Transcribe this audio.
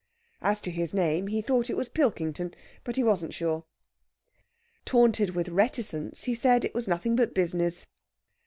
As to his name, he thought it was Pilkington, but wasn't sure. Taunted with reticence, he said it was nothing but business.